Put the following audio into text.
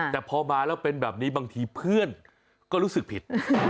แต่พอมาแล้วเป็นแบบนี้บางทีเพื่อนก็รู้สึกผิด